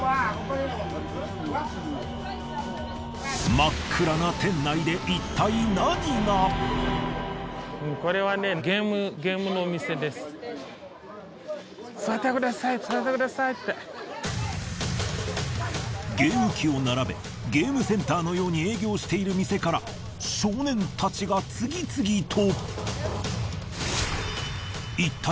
真っ暗な店内でゲーム機を並べゲームセンターのように営業している店から少年たちが次々と。